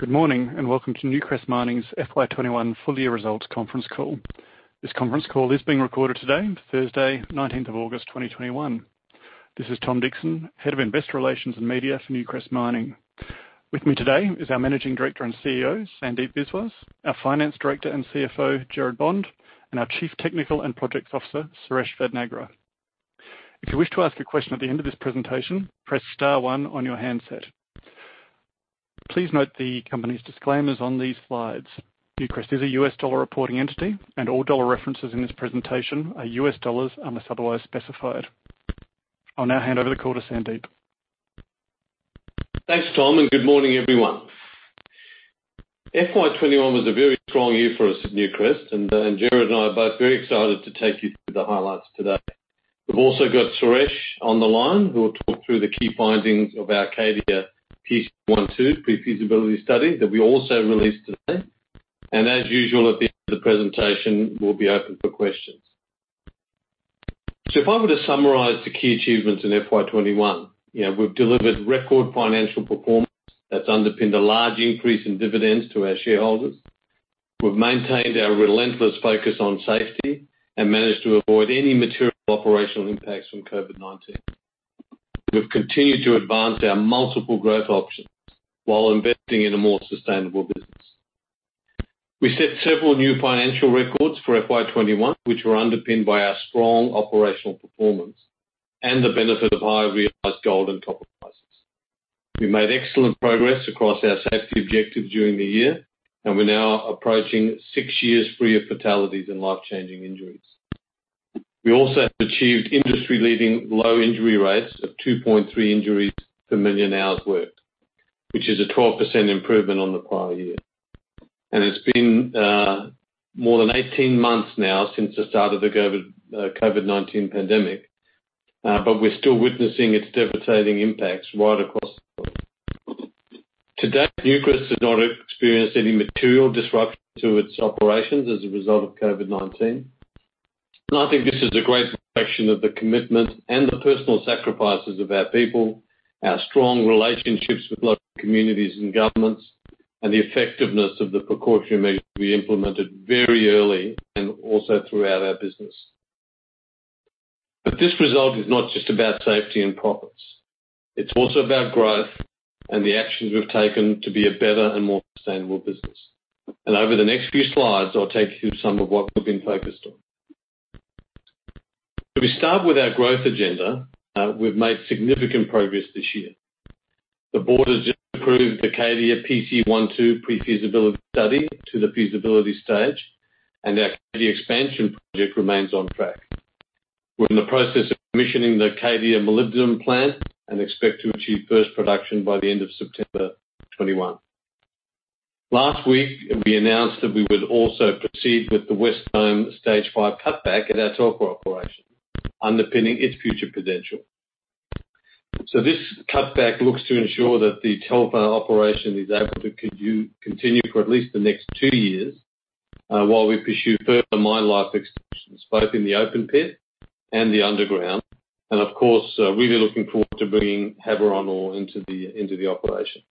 Good morning, welcome to Newcrest Mining's FY 2021 Full-Year Results Conference Call. This conference call is being recorded today, Thursday, 19th of August 2021. This is Tom Dixon, Head of Investor Relations and Media for Newcrest Mining. With me today is our Managing Director and CEO, Sandeep Biswas, our Finance Director and CFO, Gerard Bond, and our Chief Technical and Projects Officer, Suresh Vadnagra. If you wish to ask a question at the end of this presentation, press star one on your handset. Please note the company's disclaimers on these slides. Newcrest is a U.S. dollar reporting entity, all dollar references in this presentation are U.S. dollars unless otherwise specified. I'll now hand over the call to Sandeep. Thanks, Tom. Good morning, everyone. FY 2021 was a very strong year for us at Newcrest, and Gerard and I are both very excited to take you through the highlights today. We've also got Suresh on the line, who will talk through the key findings of our Cadia PC1-2 pre-feasibility study that we also released today. As usual, at the end of the presentation, we'll be open for questions. If I were to summarize the key achievements in FY 2021, we've delivered record financial performance that's underpinned a large increase in dividends to our shareholders. We've maintained our relentless focus on safety and managed to avoid any material operational impacts from COVID-19. We've continued to advance our multiple growth options while investing in a more sustainable business. We set several new financial records for FY21, which were underpinned by our strong operational performance and the benefit of high realized gold and copper prices. We made excellent progress across our safety objectives during the year, we're now approaching six years free of fatalities and life-changing injuries. We also have achieved industry-leading low injury rates of 2.3 injuries per million hours worked, which is a 12% improvement on the prior year. It's been more than 18 months now since the start of the COVID-19 pandemic, but we're still witnessing its devastating impacts right across the globe. To date, Newcrest has not experienced any material disruption to its operations as a result of COVID-19. This is a great reflection of the commitment and the personal sacrifices of our people, our strong relationships with local communities and governments, and the effectiveness of the precaution measures we implemented very early and also throughout our business. This result is not just about safety and profits. It's also about growth and the actions we've taken to be a better and more sustainable business. Over the next few slides, I'll take you through some of what we've been focused on. If we start with our growth agenda, we've made significant progress this year. The board has just approved the Cadia PC1-2 pre-feasibility study to the feasibility stage, and our Cadia Expansion Project remains on track. We're in the process of commissioning the Cadia molybdenum plant and expect to achieve first production by the end of September 2021. Last week, we announced that we would also proceed with the West Dome stage 5 cutback at our Telfer operation, underpinning its future potential. This cutback looks to ensure that the Telfer operation is able to continue for at least the next 2 years, while we pursue further mine life extensions, both in the open pit and the underground. Of course, really looking forward to bringing Havieron ore into the operation.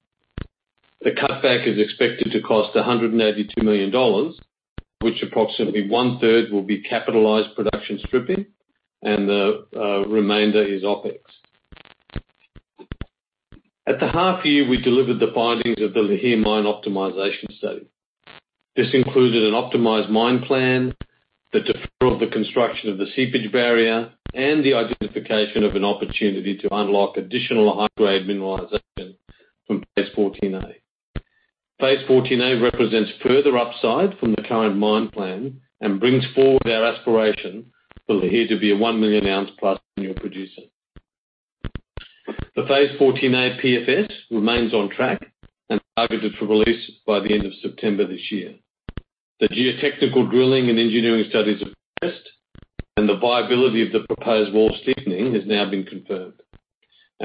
The cutback is expected to cost $182 million, which approximately one-third will be capitalized production stripping, and the remainder is OpEx. At the half year, we delivered the findings of the Lihir mine optimization study. This included an optimized mine plan that deferred the construction of the seepage barrier and the identification of an opportunity to unlock additional high-grade mineralization from phase 14A. Phase 14A represents further upside from the current mine plan and brings forward our aspiration for Lihir to be a 1 million ounce plus annual producer. The Phase 14A PFS remains on track and targeted for release by the end of September this year. The geotechnical drilling and engineering studies have progressed, and the viability of the proposed wall steepening has now been confirmed.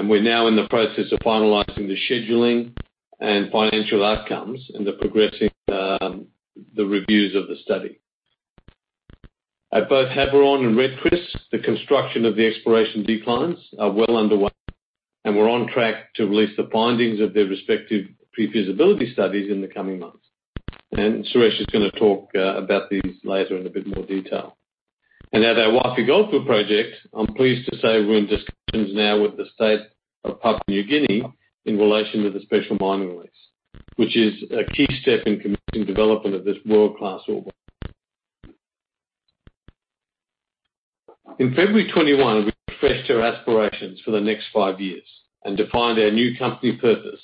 We're now in the process of finalizing the scheduling and financial outcomes and are progressing the reviews of the study. At both Havieron and Red Chris, the construction of the exploration declines are well underway, and we're on track to release the findings of their respective pre-feasibility studies in the coming months. Suresh is going to talk about these later in a bit more detail. At our Wafi-Golpu project, I'm pleased to say we're in discussions now with the state of Papua New Guinea in relation to the special mining lease, which is a key step in continuing development of this world-class orebody. In February 2021, we refreshed our aspirations for the next five years and defined our new company purpose,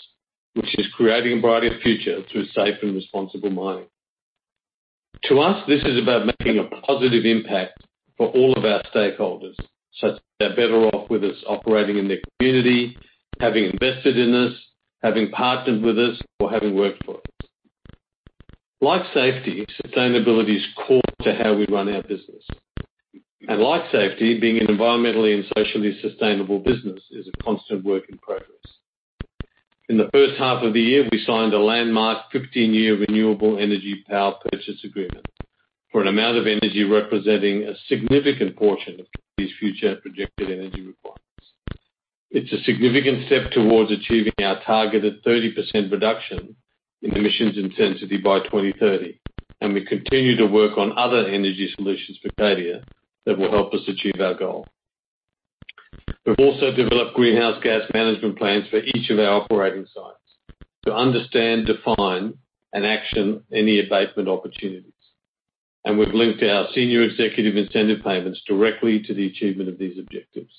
which is creating a brighter future through safe and responsible mining. To us, this is about making a positive impact for all of our stakeholders, such that they're better off with us operating in their community, having invested in us, having partnered with us, or having worked for us. Like safety, sustainability is core to how we run our business. Like safety, being an environmentally and socially sustainable business is a constant work in progress. In the first half of the year, we signed a landmark 15-year renewable energy power purchase agreement. For an amount of energy representing a significant portion of the company's future projected energy requirements. It's a significant step towards achieving our targeted 30% reduction in emissions intensity by 2030, and we continue to work on other energy solutions for Cadia that will help us achieve our goal. We've also developed greenhouse gas management plans for each of our operating sites to understand, define, and action any abatement opportunities. We've linked our senior executive incentive payments directly to the achievement of these objectives.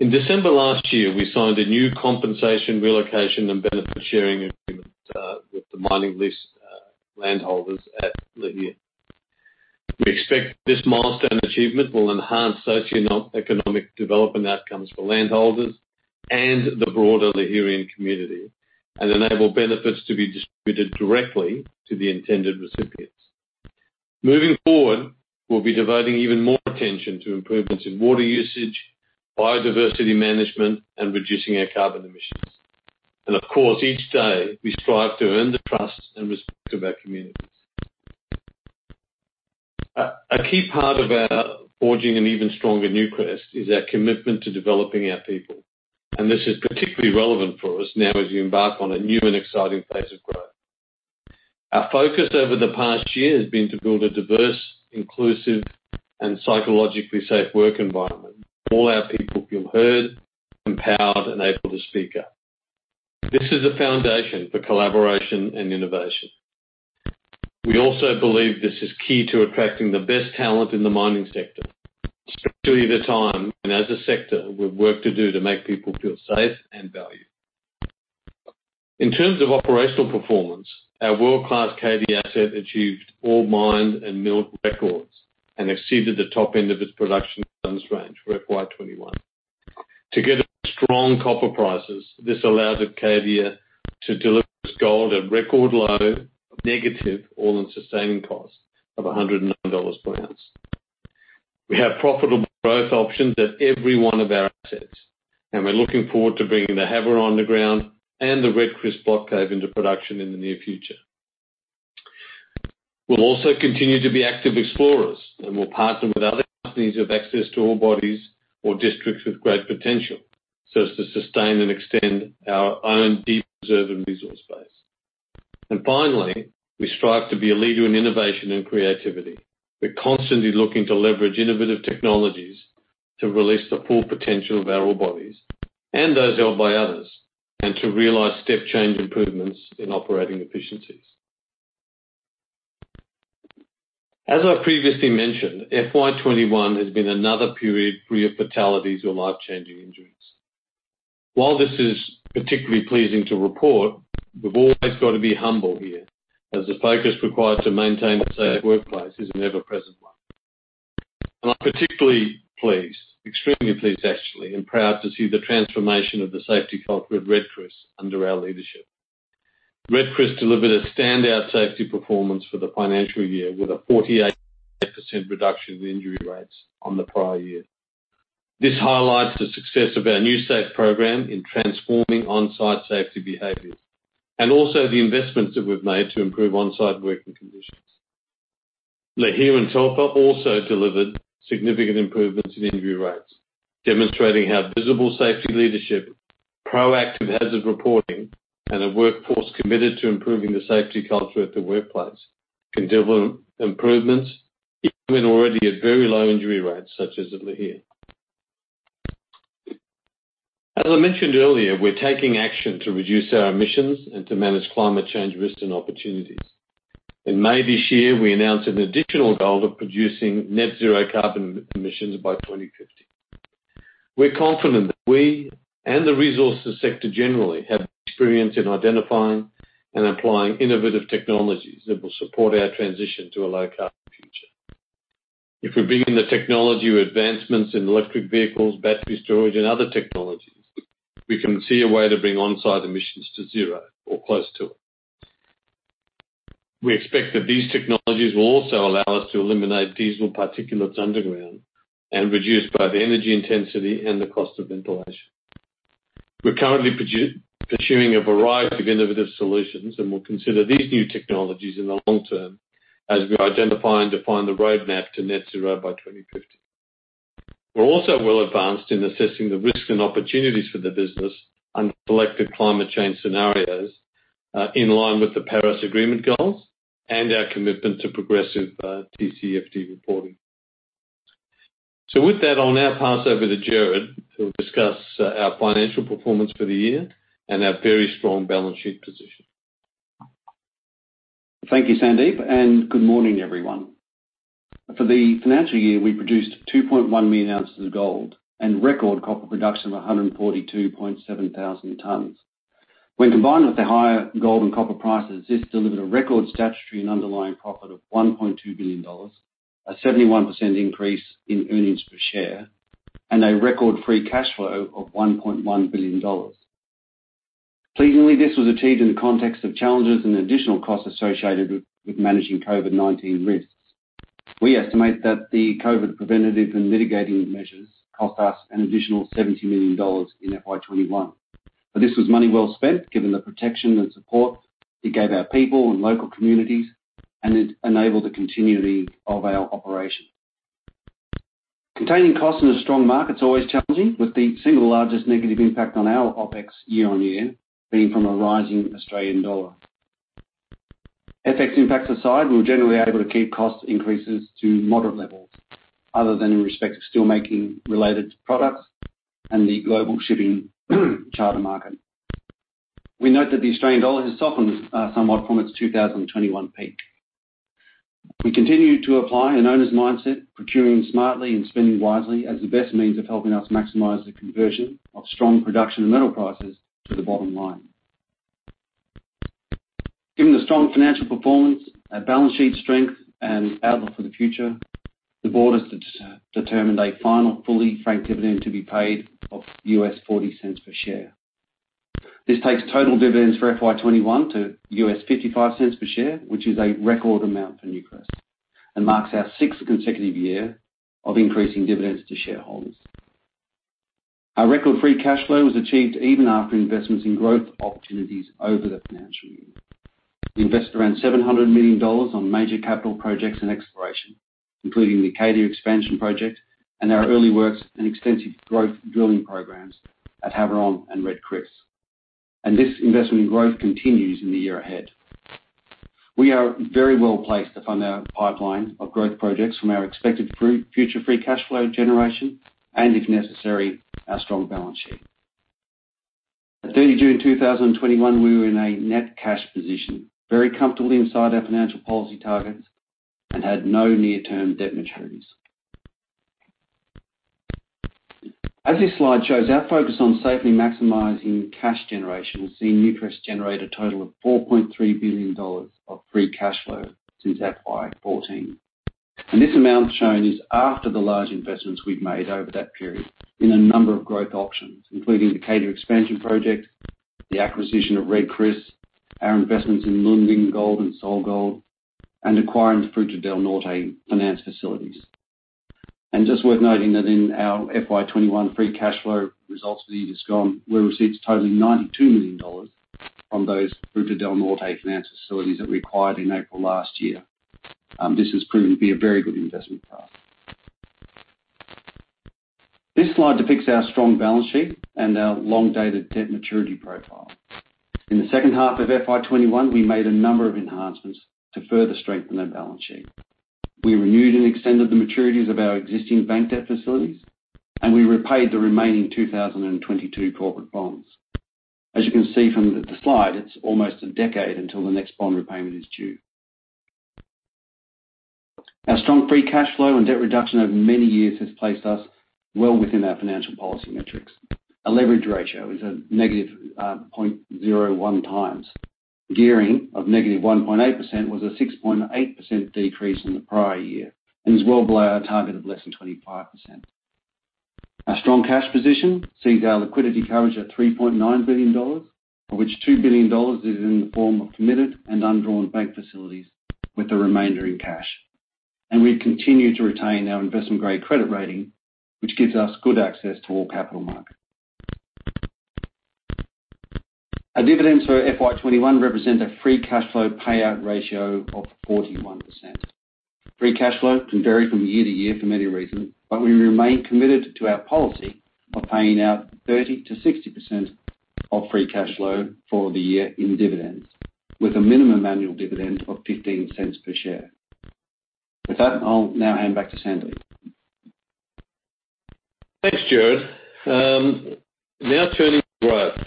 In December last year, we signed a new compensation relocation and benefit sharing agreement, with the mining lease landholders at Lihir. We expect this milestone achievement will enhance socioeconomic development outcomes for landholders and the broader Lihirian community, and enable benefits to be distributed directly to the intended recipients. Moving forward, we'll be devoting even more attention to improvements in water usage, biodiversity management, and reducing our carbon emissions. Of course, each day we strive to earn the trust and respect of our communities. A key part about forging an even stronger Newcrest is our commitment to developing our people, and this is particularly relevant for us now as we embark on a new and exciting phase of growth. Our focus over the past year has been to build a diverse, inclusive, and psychologically safe work environment where all our people feel heard, empowered, and able to speak up. This is a foundation for collaboration and innovation. We also believe this is key to attracting the best talent in the mining sector, especially at a time when, as a sector, we've work to do to make people feel safe and valued. In terms of operational performance, our world-class Cadia asset achieved ore mined and milled records, and exceeded the top end of its production tons range for FY 2021. Together with strong copper prices, this allowed Cadia to deliver gold at record low negative all-in sustaining cost of $109 per ounce. We have profitable growth options at every one of our assets, and we're looking forward to bringing the Havieron underground and the Red Chris Block Cave into production in the near future. We'll also continue to be active explorers, and we'll partner with other companies who have access to ore bodies or districts with great potential, so as to sustain and extend our own reserve and resource base. Finally, we strive to be a leader in innovation and creativity. We're constantly looking to leverage innovative technologies to release the full potential of our ore bodies and those held by others, and to realize step change improvements in operating efficiencies. As I previously mentioned, FY21 has been another period free of fatalities or life-changing injuries. While this is particularly pleasing to report, we've always got to be humble here, as the focus required to maintain a safe workplace is an ever-present one. I'm particularly pleased, extremely pleased actually, and proud to see the transformation of the safety culture at Red Chris under our leadership. Red Chris delivered a standout safety performance for the financial year with a 48% reduction in injury rates on the prior year. This highlights the success of our NewSafe program in transforming on-site safety behaviors, and also the investments that we've made to improve on-site working conditions. Lihir and Telfer also delivered significant improvements in injury rates, demonstrating how visible safety leadership, proactive hazard reporting, and a workforce committed to improving the safety culture at the workplace can deliver improvements even when already at very low injury rates, such as at Lihir. As I mentioned earlier, we're taking action to reduce our emissions and to manage climate change risks and opportunities. In May this year, we announced an additional goal of producing net zero carbon emissions by 2050. We're confident that we, and the resources sector generally, have experience in identifying and applying innovative technologies that will support our transition to a low-carbon future. If we bring in the technology advancements in electric vehicles, battery storage, and other technologies, we can see a way to bring on-site emissions to zero or close to it. We expect that these technologies will also allow us to eliminate diesel particulates underground and reduce both energy intensity and the cost of ventilation. We're currently pursuing a variety of innovative solutions, and we'll consider these new technologies in the long term as we identify and define the roadmap to net zero by 2050. We're also well advanced in assessing the risk and opportunities for the business and selected climate change scenarios, in line with the Paris Agreement goals and our commitment to progressive TCFD reporting. With that, I'll now pass over to Gerard, who'll discuss our financial performance for the year and our very strong balance sheet position. Thank you, Sandeep, and good morning, everyone. For the financial year, we produced 2.1 million ounces of gold and record copper production of 142.7 thousand tonnes. When combined with the higher gold and copper prices, this delivered a record statutory and underlying profit of $1.2 billion, a 71% increase in earnings per share, and a record free cash flow of $1.1 billion. Pleasingly, this was achieved in the context of challenges and additional costs associated with managing COVID-19 risks. We estimate that the COVID preventative and mitigating measures cost us an additional $70 million in FY 2021. This was money well spent, given the protection and support it gave our people and local communities, and it enabled the continuity of our operation. Containing costs in a strong market is always challenging, with the single largest negative impact on our OpEx year-over-year being from a rising Australian dollar. FX impacts aside, we were generally able to keep cost increases to moderate levels other than in respect to steel making related to products and the global shipping charter market. We note that the Australian dollar has softened somewhat from its 2021 peak. We continue to apply an owner's mindset, procuring smartly and spending wisely as the best means of helping us maximize the conversion of strong production and metal prices to the bottom line. Given the strong financial performance, our balance sheet strength, and outlook for the future, the board has determined a final fully franked dividend to be paid of $0.40 per share. This takes total dividends for FY 2021 to $0.55 per share, which is a record amount for Newcrest, and marks our sixth consecutive year of increasing dividends to shareholders. Our record free cash flow was achieved even after investments in growth opportunities over the financial year. We invested around $700 million on major capital projects and exploration, including the Cadia Expansion Project and our early works and extensive growth drilling programs at Havieron and Red Chris. This investment in growth continues in the year ahead. We are very well-placed to fund our pipeline of growth projects from our expected future free cash flow generation and, if necessary, our strong balance sheet. At 30 June 2021, we were in a net cash position, very comfortably inside our financial policy targets and had no near-term debt maturities. As this slide shows, our focus on safely maximizing cash generation has seen Newcrest generate a total of $4.3 billion of free cash flow since FY 2014. This amount shown is after the large investments we've made over that period in a number of growth options, including the Cadia Expansion Project, the acquisition of Red Chris, our investments in Lundin Gold and SolGold, and acquiring the Fruta del Norte finance facilities. Just worth noting that in our FY 2021 free cash flow results for the year just gone, we received totaling $92 million from those Fruta del Norte finance facilities that we acquired in April last year. This has proven to be a very good investment for us. This slide depicts our strong balance sheet and our long-dated debt maturity profile. In the second half of FY 2021, we made a number of enhancements to further strengthen our balance sheet. We renewed and extended the maturities of our existing bank debt facilities, and we repaid the remaining 2022 corporate bonds. As you can see from the slide, it's almost a decade until the next bond repayment is due. Our strong free cash flow and debt reduction over many years has placed us well within our financial policy metrics. Our leverage ratio is a negative 0.01 times. Gearing of negative 1.8% was a 6.8% decrease from the prior year and is well below our target of less than 25%. Our strong cash position sees our liquidity coverage at $3.9 billion, of which $2 billion is in the form of committed and undrawn bank facilities with the remainder in cash. We continue to retain our investment-grade credit rating, which gives us good access to all capital markets. Our dividends for FY 2021 represent a free cash flow payout ratio of 41%. Free cash flow can vary from year to year for many reasons, but we remain committed to our policy of paying out 30%-60% of free cash flow for the year in dividends, with a minimum annual dividend of $0.15 per share. With that, I'll now hand back to Sandy. Thanks, Gerard. Turning to growth.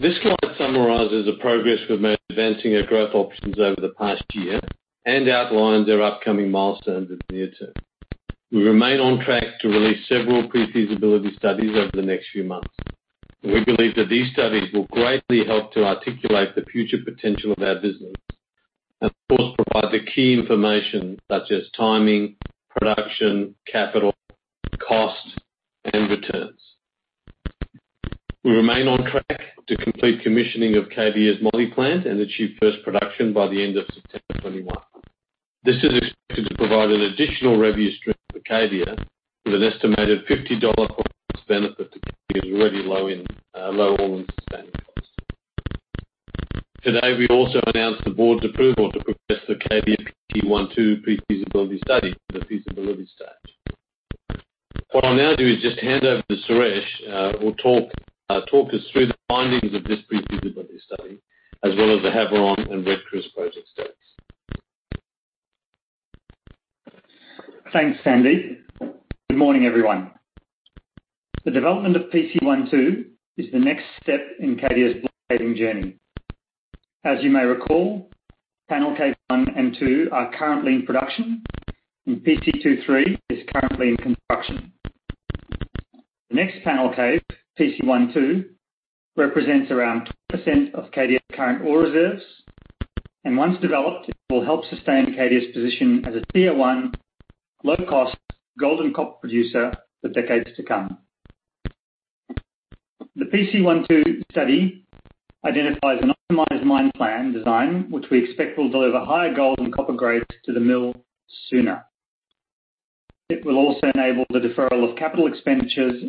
This slide summarizes the progress we've made advancing our growth options over the past year and outlines our upcoming milestones in the near term. We remain on track to release several pre-feasibility studies over the next few months. We believe that these studies will greatly help to articulate the future potential of our business, and of course, provide the key information such as timing, production, capital, cost, and returns. We remain on track to complete commissioning of Cadia's moly plant and achieve first production by the end of September 2021. This is expected to provide an additional revenue stream for Cadia with an estimated $50 plus benefit to Cadia's already low all-in sustaining costs. Today, we also announced the board's approval to progress the Cadia PC1-2 pre-feasibility study to the feasibility stage. What I'll now do is just hand over to Suresh, who will talk us through the findings of this pre-feasibility study, as well as the Havieron and Red Chris project status. Thanks, Sandeep. Good morning, everyone. The development of PC1-2 is the next step in Cadia's block caving journey. As you may recall, Panel Cave 1 and 2 are currently in production, and PC2-3 is currently in construction. The next Panel Cave, PC1-2, represents around 10% of Cadia's current ore reserves, and once developed, it will help sustain Cadia's position as a tier 1, low-cost gold and copper producer for decades to come. The PC1-2 study identifies an optimized mine plan design, which we expect will deliver higher gold and copper grades to the mill sooner. It will also enable the deferral of capital expenditures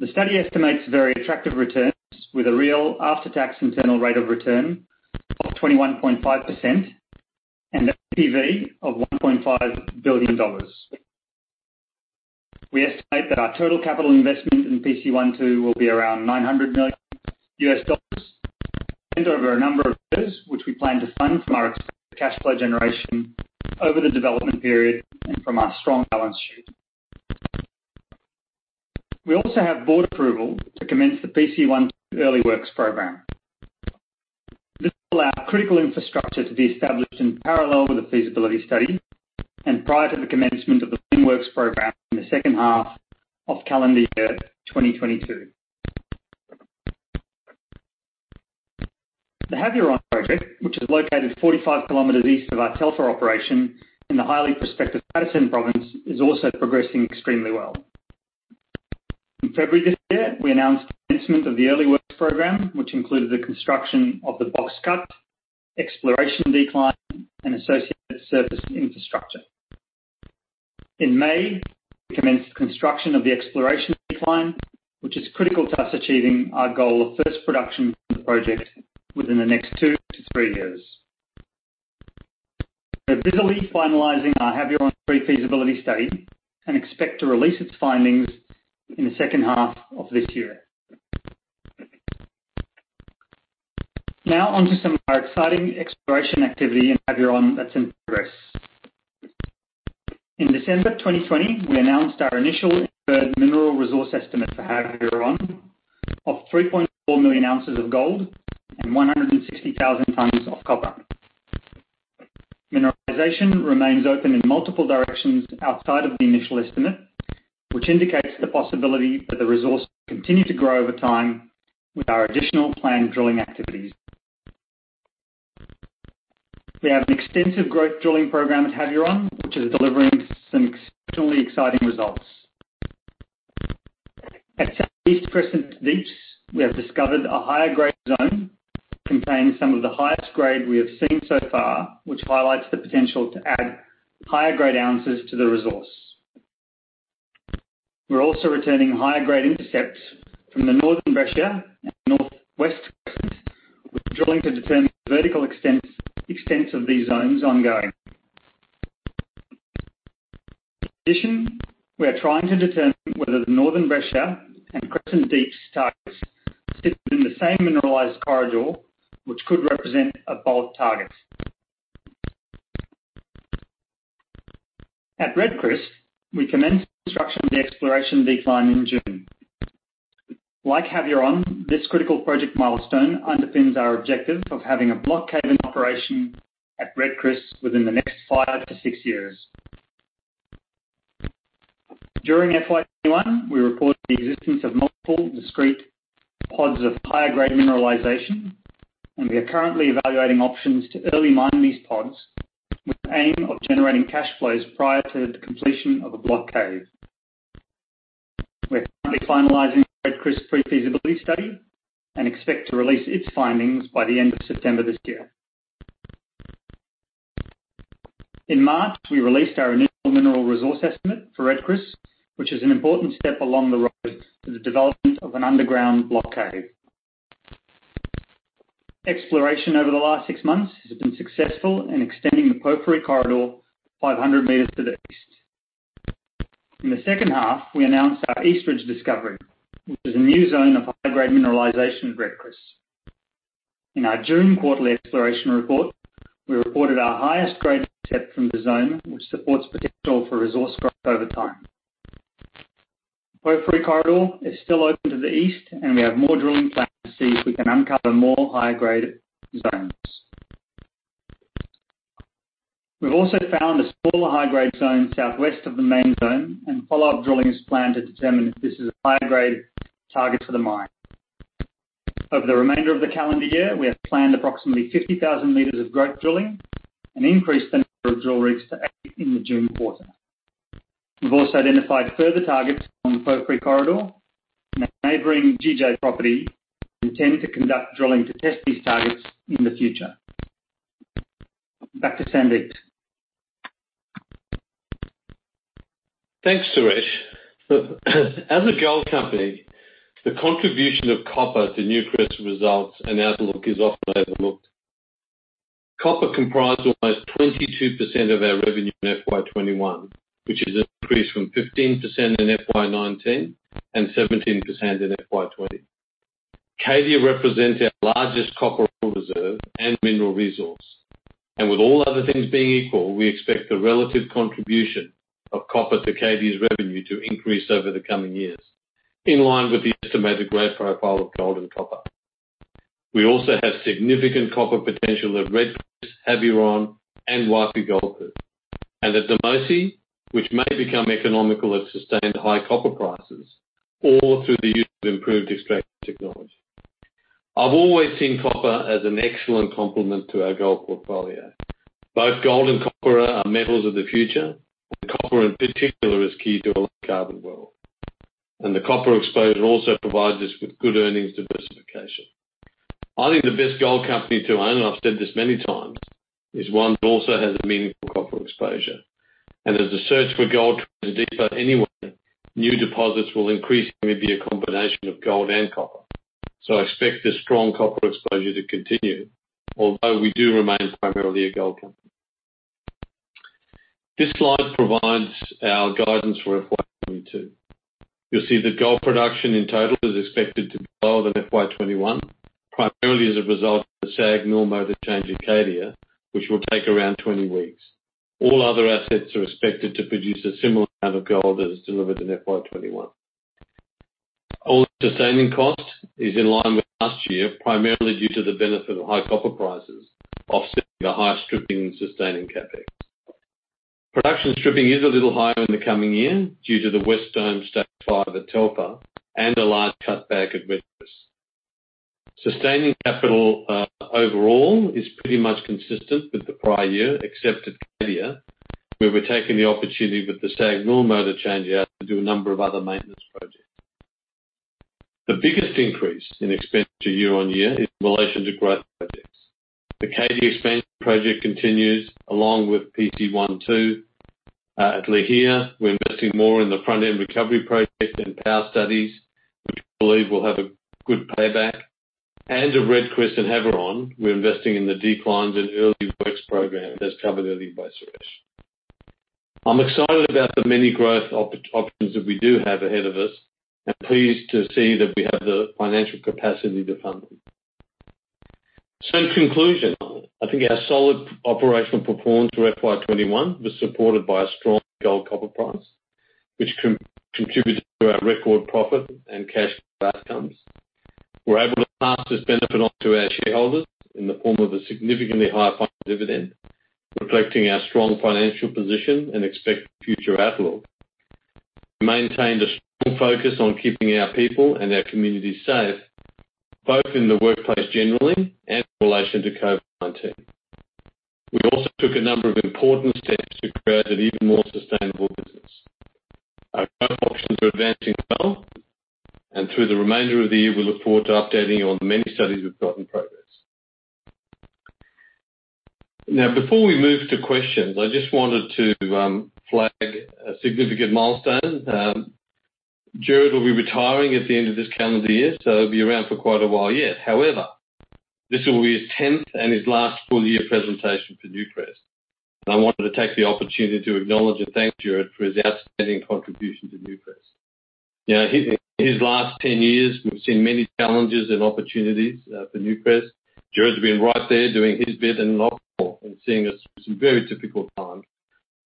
in the medium term. The study estimates very attractive returns with a real after-tax internal rate of return of 21.5% and NPV of $1.5 billion. We estimate that our total capital investment in PC1-2 will be around $900 million spent over a number of years, which we plan to fund from our expected cash flow generation over the development period and from our strong balance sheet. We also have board approval to commence the PC1-2 early works program. This will allow critical infrastructure to be established in parallel with the feasibility study and prior to the commencement of the works program in the second half of calendar year 2022. The Havieron Project, which is located 45 kilometers east of our Telfer operation in the highly prospective Paterson Province, is also progressing extremely well. In February this year, we announced the commencement of the early work program, which included the construction of the box cut, exploration decline, and associated surface infrastructure. In May, we commenced construction of the exploration decline, which is critical to us achieving our goal of first production from the project within the next two to three years. We're busily finalizing our Havieron pre-feasibility study and expect to release its findings in the second half of this year. On to some of our exciting exploration activity in Havieron that's in progress. In December 2020, we announced our initial mineral resource estimate for Havieron of 3.4 million ounces of gold and 160,000 tons of copper. Mineralization remains open in multiple directions outside of the initial estimate, which indicates the possibility that the resource will continue to grow over time with our additional planned drilling activities. We have an extensive growth drilling program at Havieron, which is delivering some exceptionally exciting results. At Southeast Crescent Deeps, we have discovered a higher-grade zone containing some of the highest grade we have seen so far, which highlights the potential to add higher-grade ounces to the resource. We're also returning higher-grade intercepts from the Northern Breccia and Northwest Crescent. We're drilling to determine the vertical extents of these zones ongoing. In addition, we are trying to determine whether the Northern Breccia and Crescent Deeps targets sit within the same mineralized corridor, which could represent a bulk target. At Red Chris, we commenced construction of the exploration decline in June. Like Havieron, this critical project milestone underpins our objective of having a block caving operation at Red Chris within the next five to six years. During FY21, we reported the existence of multiple discrete pods of higher-grade mineralization, and we are currently evaluating options to early mine these pods with the aim of generating cash flows prior to the completion of a block caving. We're currently finalizing Red Chris pre-feasibility study and expect to release its findings by the end of September this year. In March, we released our initial mineral resource estimate for Red Chris, which is an important step along the road to the development of an underground block caving. Exploration over the last six months has been successful in extending the porphyry corridor 500 meters to the east. In the second half, we announced our East Ridge discovery, which is a new zone of high-grade mineralization at Red Chris. In our June quarterly exploration report, we reported our highest grade intercept from the zone, which supports potential for resource growth over time. Porphyry corridor is still open to the east, and we have more drilling plans to see if we can uncover more high-grade zones. We've also found a smaller high-grade zone southwest of the main zone, and follow-up drilling is planned to determine if this is a higher-grade target for the mine. Over the remainder of the calendar year, we have planned approximately 50,000 meters of growth drilling and increased the number of drill rigs to eight in the June quarter. We've also identified further targets on the porphyry corridor in a neighboring GJ property and intend to conduct drilling to test these targets in the future. Back to Sandeep. Thanks, Suresh. As a gold company, the contribution of copper to Newcrest results and outlook is often overlooked. Copper comprised almost 22% of our revenue in FY 2021, which is an increase from 15% in FY 2019 and 17% in FY 2020. Cadia represents our largest copper reserve and mineral resource, and with all other things being equal, we expect the relative contribution of copper to Cadia's revenue to increase over the coming years, in line with the estimated grade profile of gold and copper. We also have significant copper potential at Red Chris, Havieron, and Wafi-Golpu, and at Namosi, which may become economical at sustained high copper prices or through the use of improved extraction technology. I've always seen copper as an excellent complement to our gold portfolio. Both gold and copper are metals of the future, and copper in particular is key to a low carbon world. The copper exposure also provides us with good earnings diversification. The best gold company to own, I've said this many times, is one that also has a meaningful copper exposure. As the search for gold trends deeper anywhere, new deposits will increasingly be a combination of gold and copper. I expect this strong copper exposure to continue, although we do remain primarily a gold company. This slide provides our guidance for FY22. You'll see that gold production in total is expected to be lower than FY21, primarily as a result of the SAG mill motor change at Cadia, which will take around 20 weeks. All other assets are expected to produce a similar amount of gold as delivered in FY21. All-in sustaining cost is in line with last year, primarily due to the benefit of high copper prices offsetting the high stripping and sustaining CapEx. Production stripping is a little higher in the coming year due to the West Dome stockpile at Telfer and a large cutback at Red Chris. Sustaining capital overall is pretty much consistent with the prior year, except at Cadia, where we're taking the opportunity with the SAG mill motor changeout to do a number of other maintenance projects. The biggest increase in expenditure year-on-year is in relation to growth projects. The Cadia Expansion Project continues, along with PC1-2. At Lihir, we're investing more in the front-end recovery project and power studies, which we believe will have a good payback. At Red Chris and Havieron, we're investing in the declines and early works program, as covered earlier by Suresh. I'm excited about the many growth options that we do have ahead of us and pleased to see that we have the financial capacity to fund them. In conclusion, our solid operational performance for FY21 was supported by a strong gold copper price, which contributed to our record profit and cash flow outcomes. We're able to pass this benefit on to our shareholders in the form of a significantly higher final dividend, reflecting our strong financial position and expected future outlook. We maintained a strong focus on keeping our people and our communities safe, both in the workplace generally and in relation to COVID-19. We also took a number of important steps to create an even more sustainable business. Our growth options are advancing well, and through the remainder of the year, we look forward to updating you on the many studies we've got in progress. Before we move to questions, I just wanted to flag a significant milestone. Gerard will be retiring at the end of this calendar year, so he'll be around for quite a while yet. However, this will be his tenth and his last full year presentation for Newcrest. I wanted to take the opportunity to acknowledge and thank Gerard for his outstanding contribution to Newcrest. In his last 10 years, we've seen many challenges and opportunities for Newcrest. Gerard has been right there doing his bit and a lot more and seeing us through some very difficult times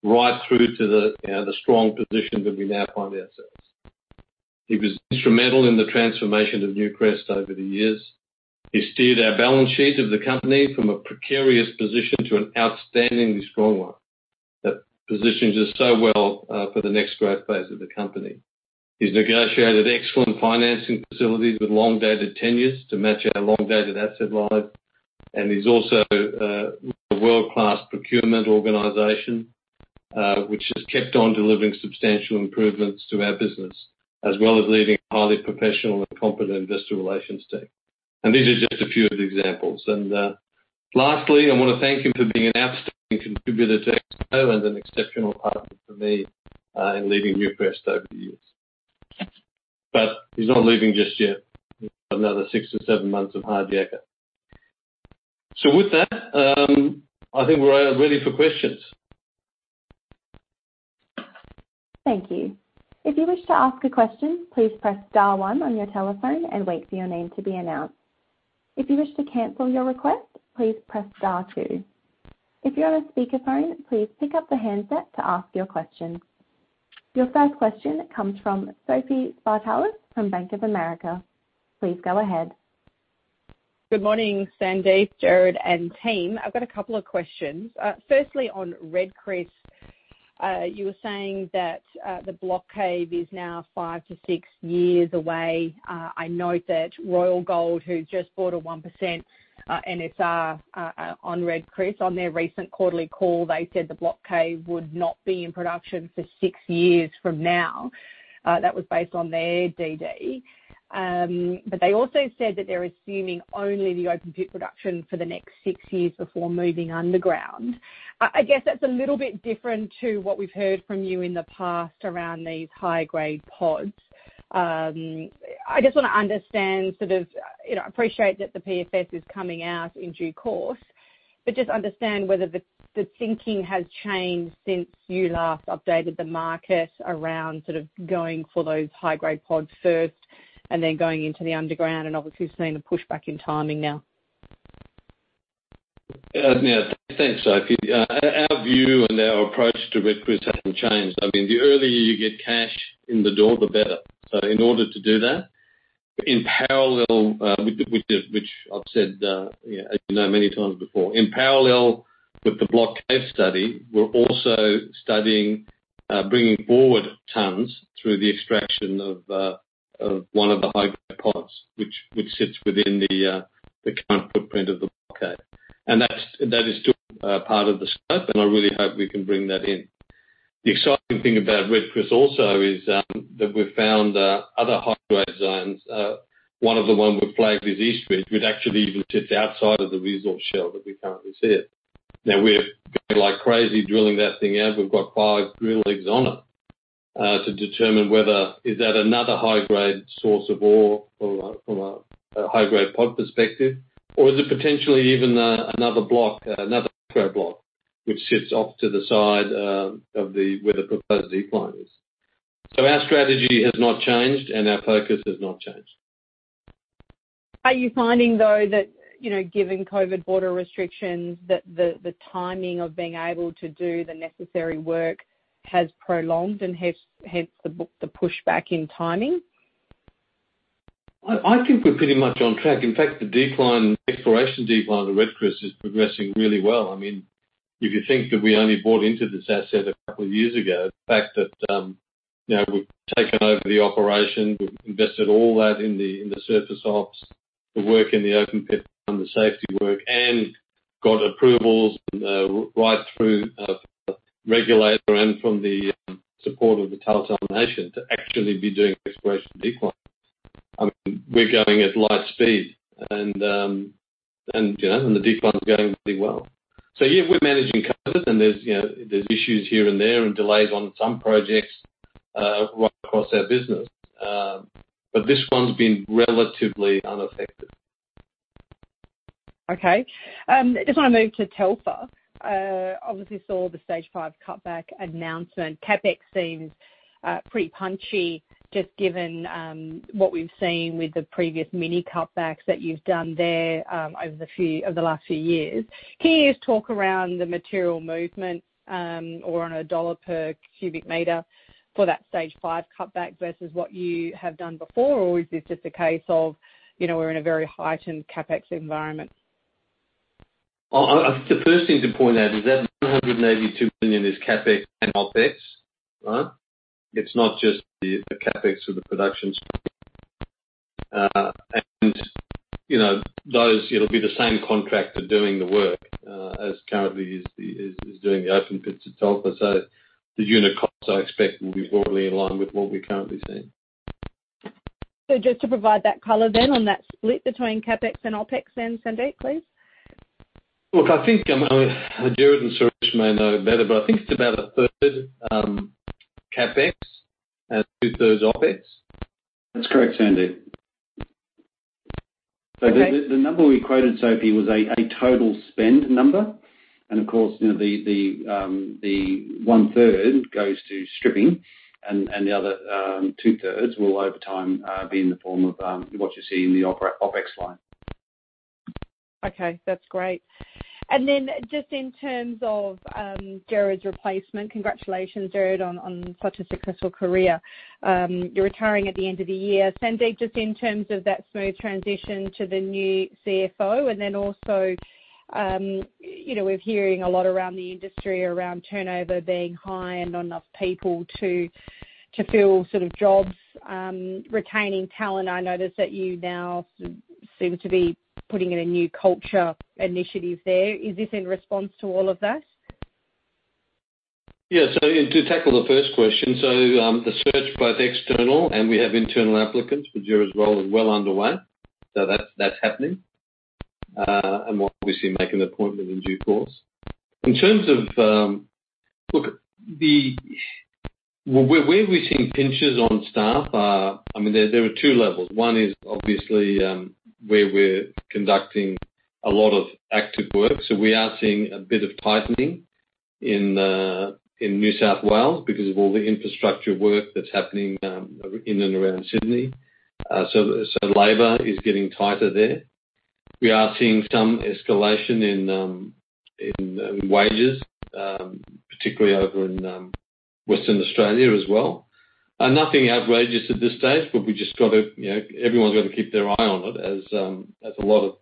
right through to the strong position that we now find ourselves. He was instrumental in the transformation of Newcrest over the years. He steered our balance sheet of the company from a precarious position to an outstandingly strong one that positions us so well for the next growth phase of the company. He's negotiated excellent financing facilities with long dated tenures to match our long dated asset life. He's also a world-class procurement organization which has kept on delivering substantial improvements to our business, as well as leading a highly professional and competent investor relations team. These are just a few of the examples. Lastly, I want to thank him for being an outstanding contributor to Exco and an exceptional partner for me in leading Newcrest over the years. He's not leaving just yet. He's got another six to seven months of hard yakka. With that, we're ready for questions. Thank you. If you wish to ask a question, please press star one on your telephone and wait for your name to be announced. If you wish to cancel your request, please press star two. If you're on a speakerphone, please pick up the handset to ask your question. Your first question comes from Sophie Spartalis from Bank of America. Please go ahead. Good morning, Sandeep, Gerard, and team. I've got a couple of questions. Firstly, on Red Chris, you were saying that the Block Cave is now 5-6 years away. I note that Royal Gold, who just bought a 1% NSR on Red Chris, on their recent quarterly call, they said the Block Cave would not be in production for 6 years from now. That was based on their DD. They also said that they're assuming only the open pit production for the next 6 years before moving underground. I guess that's a little bit different to what we've heard from you in the past around these high-grade pods. I just want to understand, appreciate that the PFS is coming out in due course, but just understand whether the thinking has changed since you last updated the market around going for those high-grade pods first and then going into the underground and obviously seeing a pushback in timing now? Thanks, Sophie. Our view and our approach to Red Chris hasn't changed. The earlier you get cash in the door, the better. In order to do that, in parallel, which I've said, as you know, many times before. In parallel with the Block Cave study, we're also studying bringing forward tonnes through the extraction of one of the high-grade pods, which sits within the current footprint of the Block Cave. That is still part of the scope, and I really hope we can bring that in. The exciting thing about Red Chris also is that we've found other high-grade zones. One of the ones we're flagged with east ridge, which actually even sits outside of the resource shell that we currently sit. We're going like crazy drilling that thing out. We've got five drill rigs on it to determine whether is that another high-grade source of ore from a high-grade pod perspective or is it potentially even another block, another square block, which sits off to the side of where the proposed decline is. Our strategy has not changed, and our focus has not changed. Are you finding, though, that given COVID border restrictions, that the timing of being able to do the necessary work has prolonged and hence the pushback in timing? We're pretty much on track. The exploration decline of Red Chris is progressing really well. If you think that we only bought into this asset a couple of years ago, the fact that we've taken over the operation, we've invested all that in the surface ops, the work in the open pit, and the safety work, and got approvals, right through regulator and from the support of the Tahltan Nation to actually be doing exploration decline. We're going at light speed, the decline's going really well. Yeah, we're managing COVID-19, there's issues here and there and delays on some projects right across our business. This one's been relatively unaffected. Okay. I just want to move to Telfer. Obviously saw the stage 5 cutback announcement. CapEx seems pretty punchy, just given what we've seen with the previous mini cutbacks that you've done there over the last few years. Can you talk around the material movement, or on a $ per cubic meter for that stage 5 cutback versus what you have done before? Is this just a case of, we're in a very heightened CapEx environment? The first thing to point out is that the $182 million is CapEx and OpEx. It's not just the CapEx or the production spend. It'll be the same contractor doing the work as currently is doing the open pit to Telfer. The unit costs, I expect, will be broadly in line with what we're currently seeing. Just to provide that color on that split between CapEx and OpEx, Sandeep, please. Look, Gerard and Suresh may know better, but it's about a third CapEx and two-thirds OpEx. That's correct, Sandeep. Okay. The number we quoted, Sophie, was a total spend number. Of course, the one-third goes to stripping and the other two-thirds will, over time, be in the form of what you see in the OpEx line. Okay, that's great. Just in terms of Gerard's replacement, congratulations, Gerard, on such a successful career. You're retiring at the end of the year. Sandeep, just in terms of that smooth transition to the new CFO, and then also, we're hearing a lot around the industry around turnover being high and not enough people to fill jobs, retaining talent. I notice that you now seem to be putting in a new culture initiative there. Is this in response to all of that? Yeah. To tackle the first question, the search, both external and we have internal applicants for Gerard's role, is well underway. That's happening. We'll obviously make an appointment in due course. Look, where we're seeing pinches on staff, there are 2 levels. One is obviously where we're conducting a lot of active work. We are seeing a bit of tightening in New South Wales because of all the infrastructure work that's happening in and around Sydney. Labor is getting tighter there. We are seeing some escalation in wages, particularly over in Western Australia as well. Nothing outrageous at this stage, but everyone's got to keep their eye on it as a lot of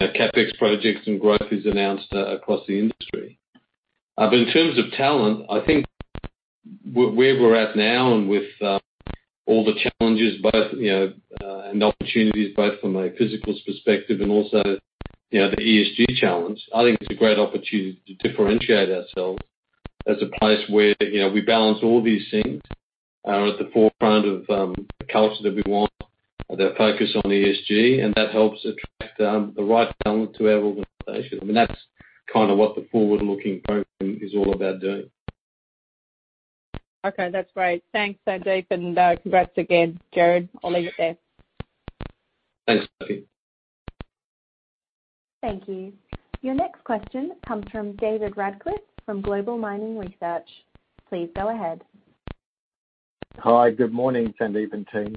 CapEx projects and growth is announced across the industry. In terms of talent, where we're at now and with all the challenges and opportunities, both from a physical perspective and also the ESG challenge, it's a great opportunity to differentiate ourselves as a place where we balance all these things, are at the forefront of the culture that we want, the focus on ESG, and that helps attract the right talent to our organization. That's what the forward-looking program is all about doing. Okay, that's great. Thanks, Sandeep, and congrats again, Gerard. I will leave it there. Thanks, Sophie. Thank you. Your next question comes from David Radclyffe from Global Mining Research. Please go ahead. Hi, good morning, Sandeep and team.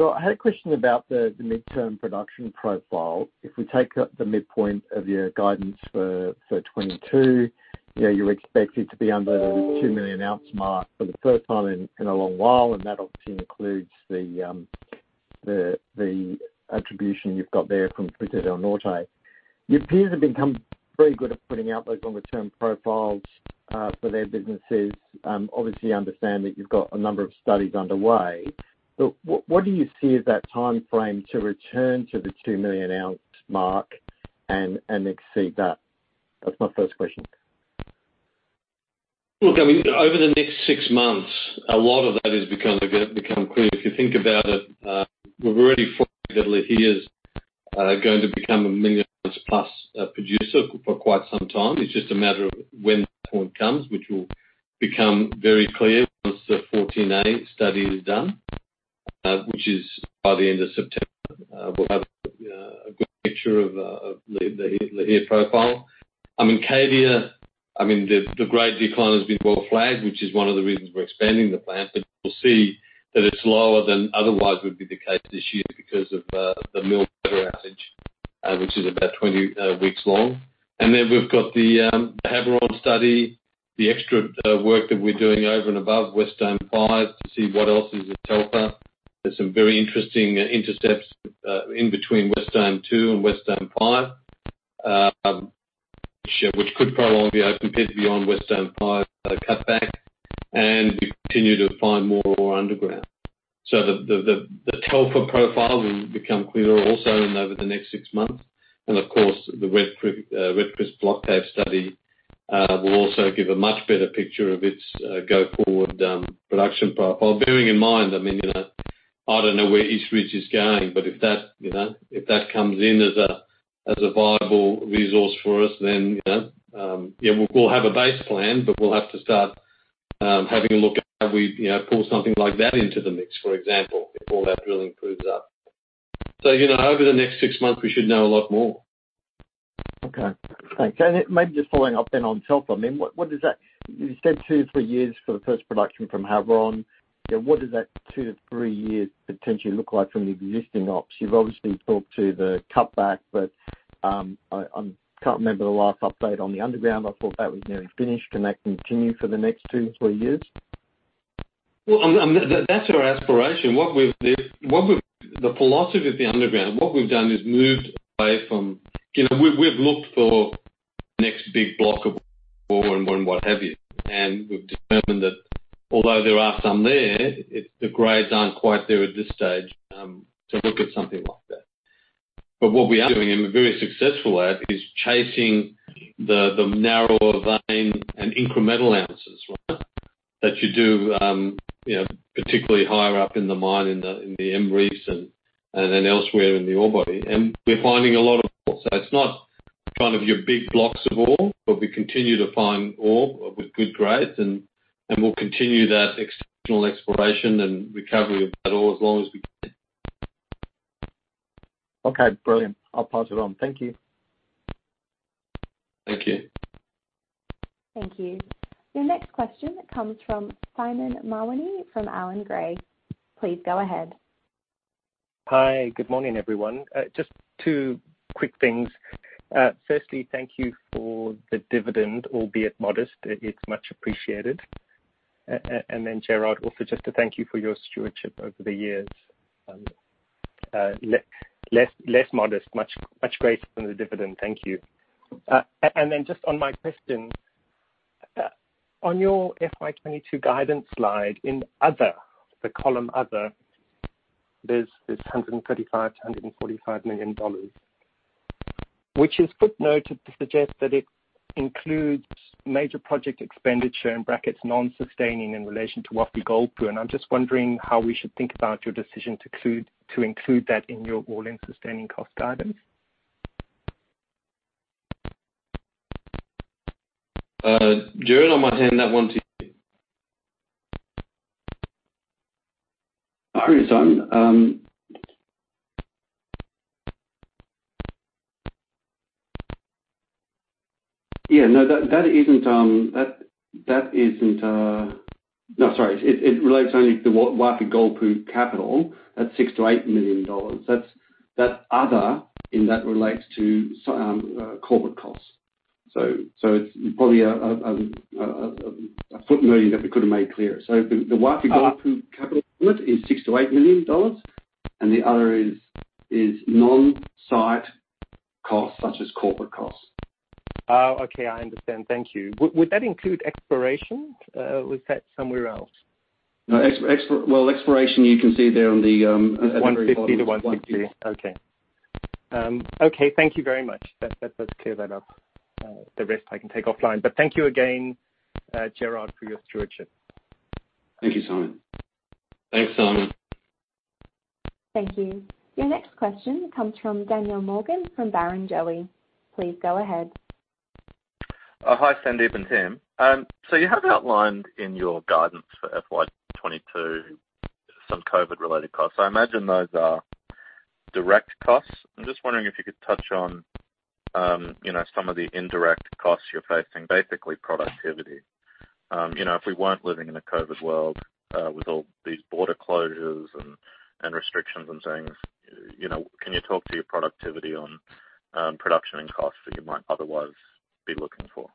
I had a question about the midterm production profile. If we take the midpoint of your guidance for 2022, you're expected to be under the 2 million ounce mark for the first time in a long while, and that obviously includes the attribution you've got there from Fruta del Norte. Your peers have become very good at putting out those longer-term profiles for their businesses. Obviously understand that you've got a number of studies underway. What do you see as that timeframe to return to the 2 million ounce mark and exceed that? That's my first question. Look, over the next 6 months, a lot of that has become clear. If you think about it, we've already forecasted that Lihir's going to become a million-ounce-plus producer for quite some time. It's just a matter of when that point comes, which will become very clear once the 14A study is done, which is by the end of September. We'll have a good picture of the Lihir profile. In Cadia, the grade decline has been well-flagged, which is one of the reasons we're expanding the plant. We'll see that it's lower than otherwise would be the case this year because of the mill outage, which is about 20 weeks long. Then we've got the Havieron study, the extra work that we're doing over and above West Dome Five to see what else is at Telfer. There's some very interesting intercepts in between West Dome Two and West Dome Five, which could prolong the open pit beyond West Dome Five cutback and continue to find more ore underground. The Telfer profile will become clearer also in over the next six months. Of course, the Red Chris block caving study will also give a much better picture of its go-forward production profile. Bearing in mind, I don't know where East Ridge is going, but if that comes in as a viable resource for us, then we'll have a base plan, but we'll have to start having a look at how we pull something like that into the mix, for example, if all that drilling proves up. Over the next six months, we should know a lot more. Okay. Thanks. Maybe just following up then on Telfer, you said 2 to 3 years for the first production from Havieron. What does that 2 to 3 years potentially look like from the existing ops? You've obviously talked to the cutback, but I can't remember the last update on the underground. I thought that was nearly finished. Can that continue for the next 2 to 3 years? That's our aspiration. The philosophy of the underground, what we've done is moved away from We've looked for next big block of ore and what have you. We've determined that although there are some there, the grades aren't quite there at this stage to look at something like that. What we are doing, and we're very successful at, is chasing the narrower vein and incremental ounces that you do, particularly higher up in the mine, in the J-M Reef and then elsewhere in the ore body. We're finding a lot of ore. It's not your big blocks of ore, but we continue to find ore with good grades, and we'll continue that exceptional exploration and recovery of that ore as long as we can. Okay, brilliant. I'll pass it on. Thank you. Thank you. Thank you. Your next question comes from Simon Mawhinney from Allan Gray. Please go ahead. Hi. Good morning, everyone. Just two quick things. Firstly, thank you for the dividend, albeit modest. It's much appreciated. Then, Gerard, also just a thank you for your stewardship over the years. Less modest, much greater than the dividend. Thank you. Then just on my question, on your FY 2022 guidance slide, in other, the column other, there's this $135 million-$145 million, which is footnoted to suggest that it includes major project expenditure, in brackets, non-sustaining in relation to Wafi-Golpu. I'm just wondering how we should think about your decision to include that in your all-in sustaining cost guidance. Gerard, I might hand that one to you. No worries, Simon. No, sorry. It relates only to Wafi-Golpu capital. That's $6 million-$8 million. That other in that relates to corporate costs. It's probably a footnote that we could have made clearer. The Wafi-Golpu capital is $6 million-$8 million, and the other is non-site costs such as corporate costs. Okay. I understand. Thank you. Would that include exploration? Is that somewhere else? Exploration you can see there. 150 to 160. Okay. Thank you very much. That does clear that up. The rest I can take offline. Thank you again, Gerard, for your stewardship. Thank you, Simon. Thanks, Simon. Thank you. Your next question comes from Daniel Morgan from Barrenjoey. Please go ahead. Hi, Sandeep and Tim. You have outlined in your guidance for FY 2022 some COVID-19-related costs. I imagine those are direct costs. I'm just wondering if you could touch on some of the indirect costs you're facing, basically productivity. If we weren't living in a COVID-19 world, with all these border closures and restrictions and things, can you talk to your productivity on production and costs that you might otherwise be looking for?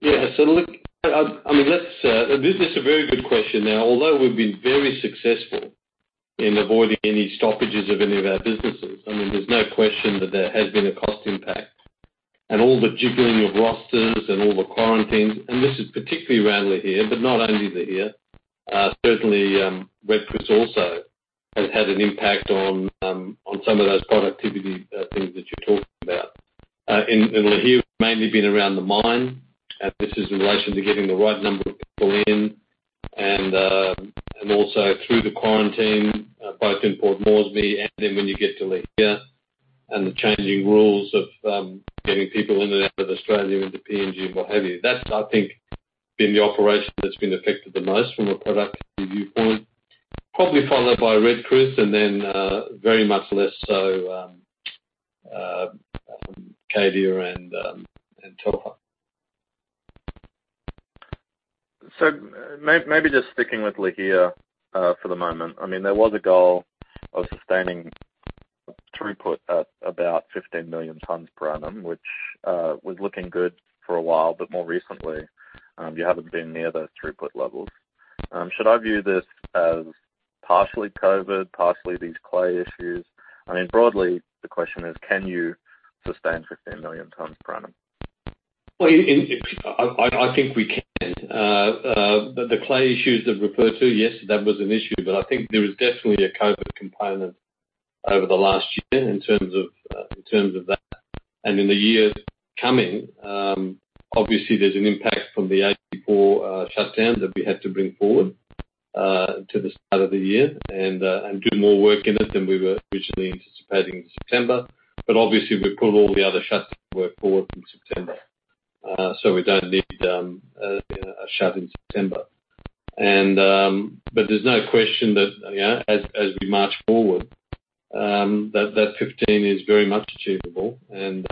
This is a very good question. Although we've been very successful in avoiding any stoppages of any of our businesses, there's no question that there has been a cost impact. All the jiggling of rosters and all the quarantines, and this is particularly around Lihir, but not only Lihir. Certainly Red Chris also has had an impact on some of those productivity things that you're talking about. In Lihir, mainly been around the mine. This is in relation to getting the right number of people in and also through the quarantine, both in Port Moresby, and then when you get to Lihir, and the changing rules of getting people in and out of Australia into PNG and what have you. That's been the operation that's been affected the most from a productivity viewpoint. Probably followed by Red Chris and then very much less so Cadia and Telfer. Maybe just sticking with Lihir for the moment. There was a goal of sustaining throughput at about 15 million tons per annum, which was looking good for a while, but more recently, you haven't been near those throughput levels. Should I view this as partially COVID-19, partially these clay issues? Broadly, the question is, can you sustain 15 million tons per annum? I think we can. The clay issues that refer to, yes, that was an issue, but there is definitely a COVID component over the last year in terms of that. In the years coming, obviously, there's an impact from the A4 shutdown that we had to bring forward to the start of the year and do more work in it than we were originally anticipating in September. Obviously, we pulled all the other shutdown work forward from September. We don't need a shut in September. There's no question that as we march forward, that 15 is very much achievable, and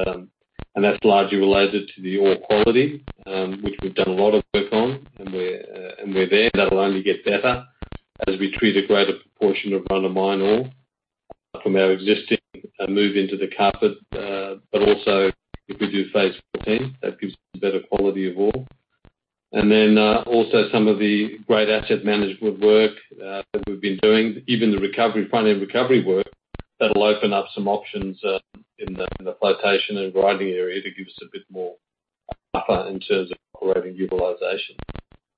that's largely related to the ore quality, which we've done a lot of work on, and we're there. That'll only get better as we treat a greater proportion of run-of-mine ore from our existing move into the Cadia. Also if we do Phase 14, that gives better quality of ore. Also some of the great asset management work that we've been doing, even the recovery, front-end recovery work, that'll open up some options in the flotation and grinding area to give us a bit more buffer in terms of operating utilization.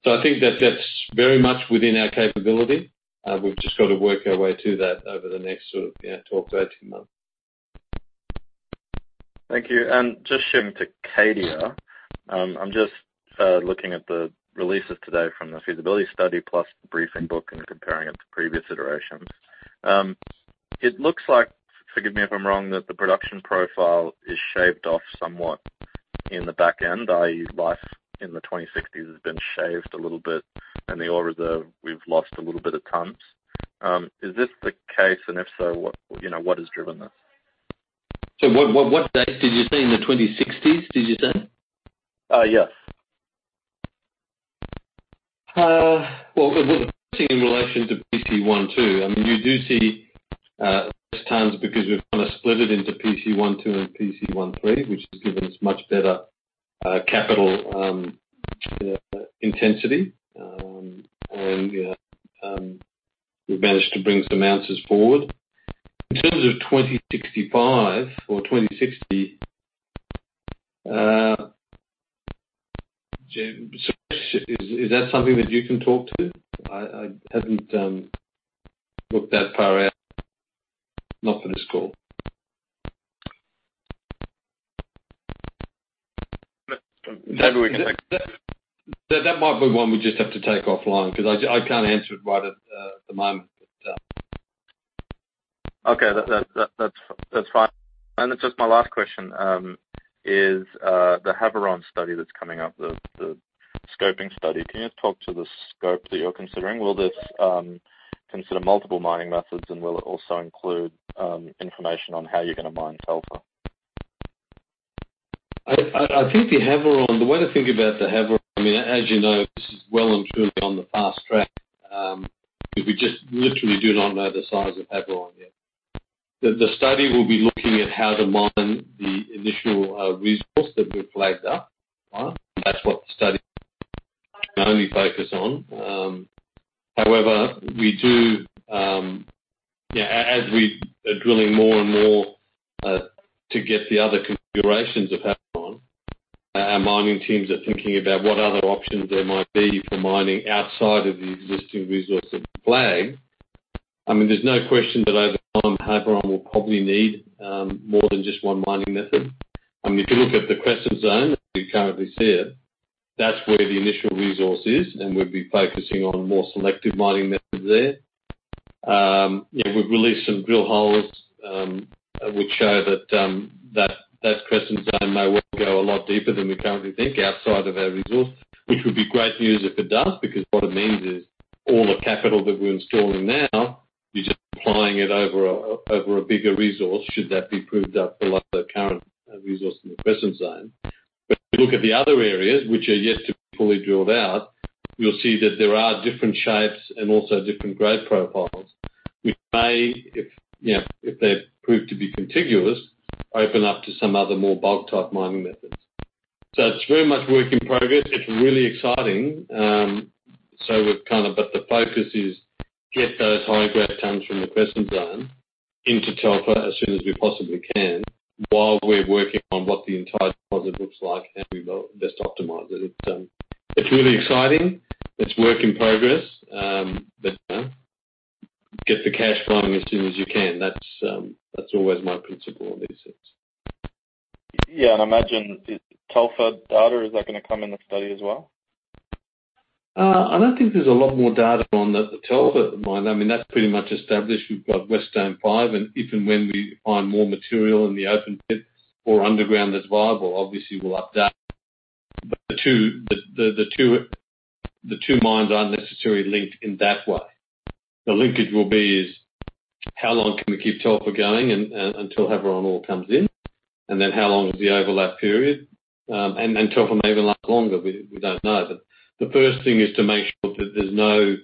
That that's very much within our capability. We've just got to work our way to that over the next sort of 12, 18 months. Thank you. Just shifting to Cadia. I am just looking at the releases today from the feasibility study plus the briefing book and comparing it to previous iterations. It looks like, forgive me if I am wrong, that the production profile is shaved off somewhat in the back end, i.e. life in the 2060s has been shaved a little bit and the ore reserve, we've lost a little bit of tons. Is this the case, and if so, what has driven this? What dates did you see? In the 2060s, did you say? Yes. In relation to PC1-2, you do see less tons because we've split it into PC1-2 and PC1-3, which has given us much better capital intensity. We've managed to bring some ounces forward. In terms of 2065 or 2060, James, is that something that you can talk to? I haven't looked that far out, not for this call. Maybe we can. That might be one we just have to take offline because I cannot answer it right at the moment. Okay. That's fine. It's just my last question is, the Havieron study that's coming up, the scoping study. Can you talk to the scope that you're considering? Will this consider multiple mining methods, and will it also include information on how you're going to mine Telfer? The way to think about the Havieron, as you know, this is well and truly on the fast track. We just literally do not know the size of Havieron yet. The study will be looking at how to mine the initial resource that we've flagged up. That's what the study can only focus on. However, as we are drilling more and more to get the other configurations of Havieron, our mining teams are thinking about what other options there might be for mining outside of the existing resource that we flag. There's no question that over time, Havieron will probably need more than just one mining method. If you look at the Crescent Zone that you currently see here, that's where the initial resource is, and we'd be focusing on more selective mining methods there. We've released some drill holes, which show that that Crescent Zone may well go a lot deeper than we currently think outside of our resource. Which would be great news if it does, because what it means is all the capital that we're installing now, we're just applying it over a bigger resource, should that be proved up below the current resource in the Crescent Zone. If you look at the other areas, which are yet to be fully drilled out, you'll see that there are different shapes and also different grade profiles. Which may, if they prove to be contiguous, open up to some other more bulk-type mining methods. It's very much work in progress. It's really exciting. The focus is get those high-grade tons from the Crescent Zone into Telfer as soon as we possibly can while we're working on what the entire deposit looks like and we best optimize it. It's really exciting. It's work in progress. Get the cash flowing as soon as you can. That's always my principle on these things. Yeah, I imagine the Telfer data, is that going to come in the study as well? I don't think there's a lot more data on the Telfer mine. That's pretty much established. We've got West Dome Five, and if and when we find more material in the open pit or underground that's viable, obviously, we'll update. The two mines aren't necessarily linked in that way. The linkage will be is how long can we keep Telfer going until Havieron all comes in, and then how long is the overlap period, and Telfer may even last longer, we don't know. The first thing is to make sure that there's no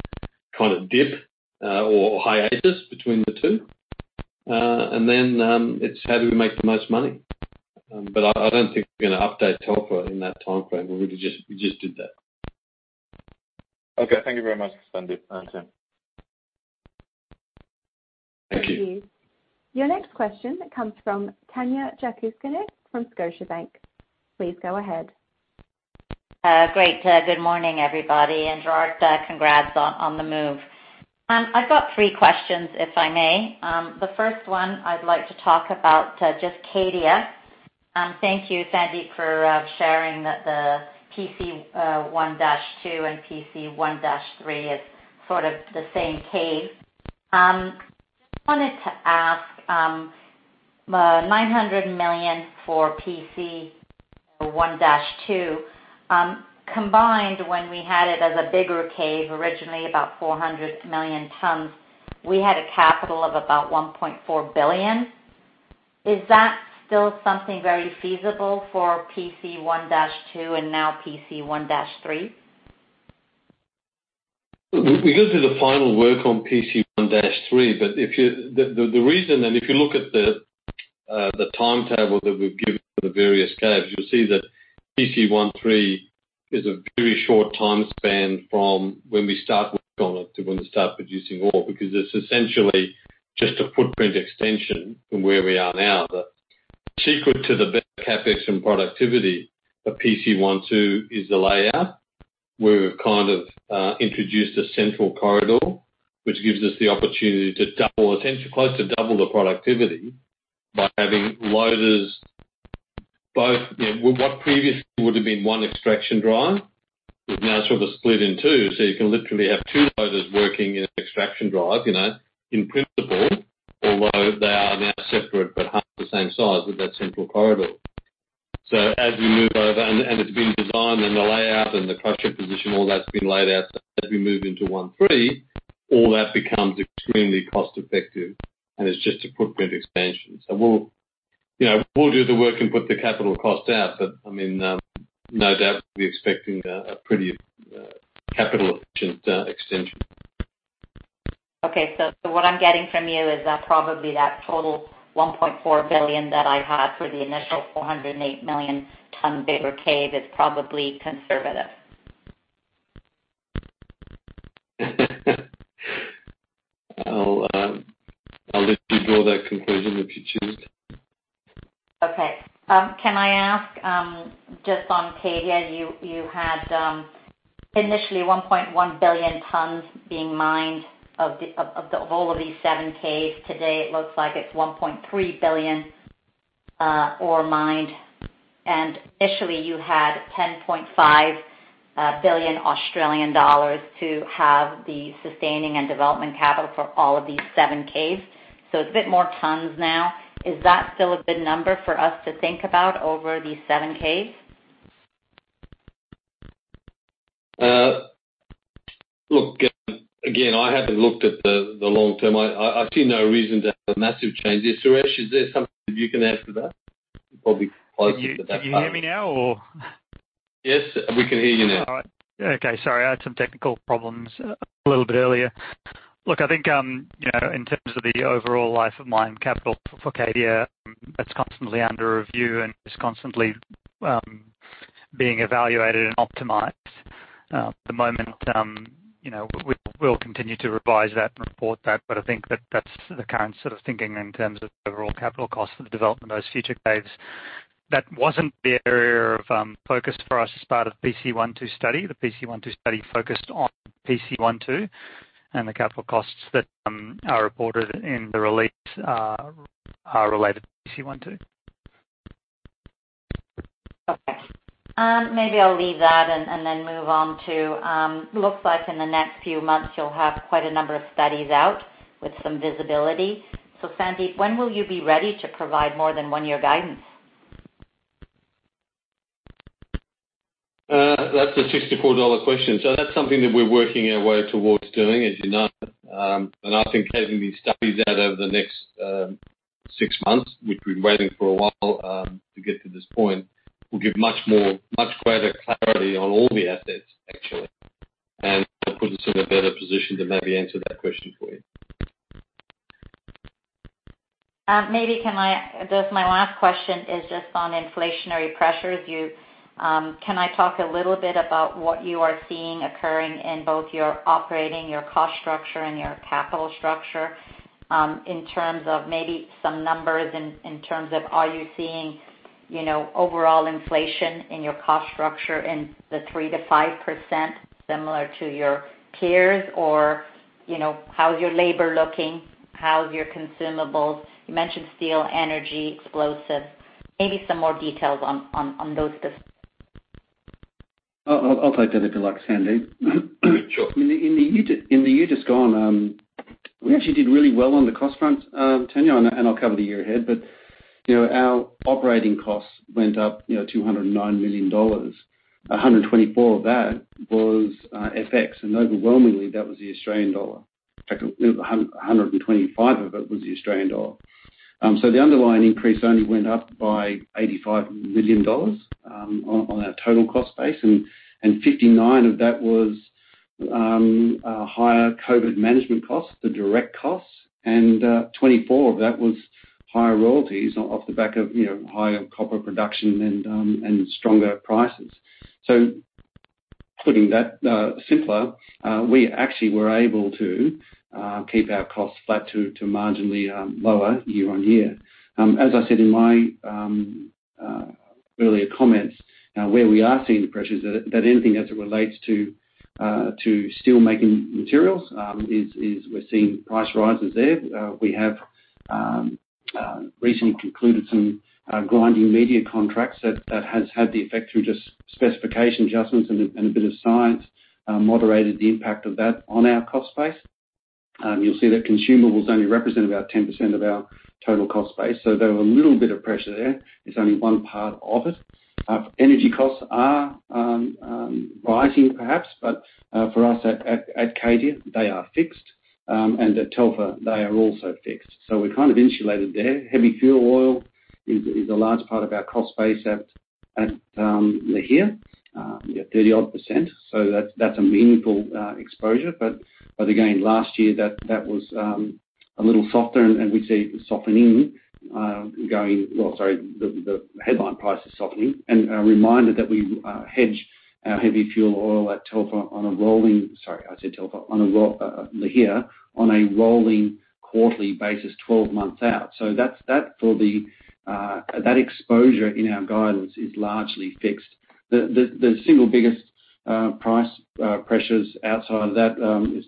dip or hiatus between the two. How do we make the most money? I don't think we're going to update Telfer in that timeframe. We just did that. Okay. Thank you very much, Sandeep and team. Thank you. Thank you. Your next question comes from Tanya Jakusconek from Scotiabank. Please go ahead. Great. Good morning, everybody, and Gerard, congrats on the move. I've got 3 questions, if I may. The first one I'd like to talk about just Cadia. Thank you, Sandeep, for sharing that the PC1-2 and PC1-3 is sort of the same cave. I just wanted to ask, the $900 million for PC1-2, combined when we had it as a bigger cave, originally about 400 million tons, we had a capital of about $1.4 billion. Is that still something very feasible for PC1-2 and now PC1-3? We're going through the final work on PC1-3, but the reason, and if you look at the timetable that we've given for the various caves, you'll see that PC1-3 is a very short time span from when we start working on it to when we start producing ore, because it's essentially just a footprint extension from where we are now. The secret to the better CapEx and productivity of PC1-2 is the layout. We've introduced a central corridor, which gives us the opportunity to close to double the productivity by having loaders. What previously would have been one extraction drive is now sort of split in two, so you can literally have two loaders working in an extraction drive, in principle, although they are now separate but half the same size with that central corridor. As we move over, and it's been designed and the layout and the crusher position, all that's been laid out, so as we move into PC1-3, all that becomes extremely cost-effective, and it's just a footprint expansion. We'll do the work and put the capital cost out, but no doubt we'll be expecting a pretty capital-efficient extension. Okay. What I'm getting from you is that probably that total $1.4 billion that I had for the initial 408 million ton bigger cave is probably conservative. I'll let you draw that conclusion if you choose. Okay. Can I ask, just on Cadia, you had initially 1.1 billion tons being mined of all of these 7 caves. Today, it looks like it's 1.3 billion ore mined. Initially, you had 10.5 billion Australian dollars to have the sustaining and development capital for all of these 7 caves. It's a bit more tons now. Is that still a good number for us to think about over these 7 caves? Look, again, I haven't looked at the long term. I see no reason to have a massive change. Suresh, is there something that you can add to that? Probably closer to that part. Can you hear me now, or? Yes, we can hear you now. All right. Okay, sorry. I had some technical problems a little bit earlier. Look, in terms of the overall life of mine, capital for Cadia, that's constantly under review and is constantly being evaluated and optimized. At the moment, we'll continue to revise that and report that, but that that's the current sort of thinking in terms of overall capital costs for the development of those future caves. That wasn't the area of focus for us as part of PC1-2 study. The PC1-2 study focused on PC1-2, and the capital costs that are reported in the release are related to PC1-2. Okay. Maybe I'll leave that and then move on to, looks like in the next few months, you'll have quite a number of studies out with some visibility. Sandeep, when will you be ready to provide more than one-year guidance? That's a $64 question. That's something that we're working our way towards doing, as you know. Having these studies out over the next 6 months, we've been waiting for a while to get to this point, will give much greater clarity on all the assets, actually, and put us in a better position to maybe answer that question for you. Maybe. My last question is just on inflationary pressures. Can I talk a little bit about what you are seeing occurring in both your operating, your cost structure, and your capital structure, in terms of maybe some numbers, in terms of are you seeing overall inflation in your cost structure in the 3%-5% similar to your peers? Or how's your labor looking? How's your consumables? You mentioned steel, energy, explosives. Maybe some more details on those. I'll take that if you like, Sandeep. Sure. In the year just gone, we actually did really well on the cost front, Tanya, I'll cover the year ahead. Our operating costs went up $209 million. $124 million of that was FX, overwhelmingly, that was the Australian dollar. In fact, $125 million of it was the Australian dollar. The underlying increase only went up by $85 million on our total cost base, $59 million of that was higher COVID management costs, the direct costs, $24 million of that was higher royalties off the back of higher copper production and stronger prices. Putting that simpler, we actually were able to keep our costs flat to marginally lower year-on-year. As I said in my earlier comments, where we are seeing the pressures, that anything as it relates to steelmaking materials, is we're seeing price rises there. We have recently concluded some grinding media contracts that has had the effect through just specification adjustments and a bit of science, moderated the impact of that on our cost base. You'll see that consumables only represent about 10% of our total cost base. Though a little bit of pressure there, it's only one part of it. Energy costs are rising, perhaps, but for us at Cadia, they are fixed, and at Telfer, they are also fixed. We're kind of insulated there. Heavy fuel oil is a large part of our cost base at Lihir, 30-odd%. That's a meaningful exposure. Again, last year, that was a little softer and we see it softening. Well, sorry, the headline price is softening. A reminder that we hedge our heavy fuel oil at Telfer on a rolling. Sorry, I said Telfer. At Lihir, on a rolling quarterly basis 12 months out. That exposure in our guidance is largely fixed. The single biggest price pressures outside of that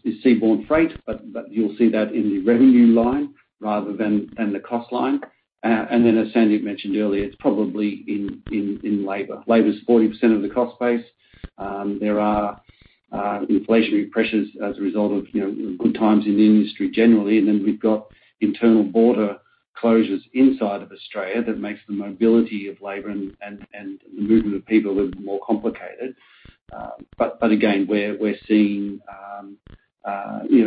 is seaborne freight, but you'll see that in the revenue line rather than the cost line. As Sandeep mentioned earlier, it's probably in labor. Labor's 40% of the cost base. There are inflationary pressures as a result of good times in the industry generally. We've got internal border closures inside of Australia that makes the mobility of labor and the movement of people a little more complicated. Again, we're seeing